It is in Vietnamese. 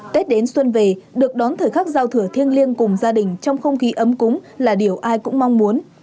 tết đến xuân về được đón thời khắc giao thừa thiêng liêng cùng gia đình trong không khí ấm cúng là điều ai cũng mong muốn